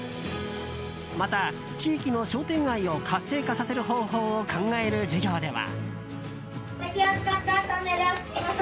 また、地域の商店街を活性化させる方法を考える授業では。